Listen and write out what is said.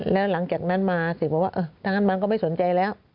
แล้วหลังจากนั้นมาเสกบอกว่าถ้างั้นมันก็ไม่สนใจแล้ว